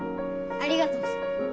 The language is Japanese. ありがとうぞ。